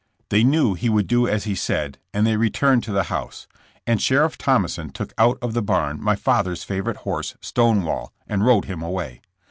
They knew he would do as he said and they returned to the house, and Sheriff Thompson took out of the barn my father's favorite horse Stonewall, and rode him away.